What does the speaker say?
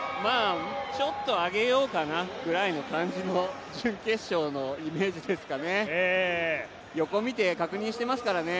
ちょっと上げようかなぐらいの感じの準決勝のイメージですかね。